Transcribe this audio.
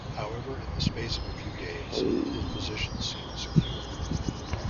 However, in the space of a few days, his position seemed secure.